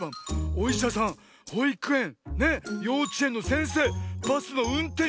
おいしゃさんほいくえんようちえんのせんせいバスのうんてん